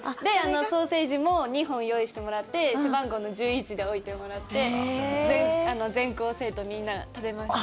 ソーセージも２本用意してもらって背番号の１１で置いてもらって全校生徒みんな食べました。